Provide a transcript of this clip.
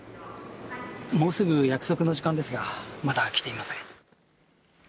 もうすぐ約束の時間ですがまだ来ていません。